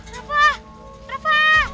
rafa bangun rafa